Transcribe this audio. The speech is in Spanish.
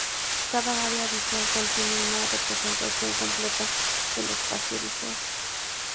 Cada área visual contiene una representación completa del espacio visual.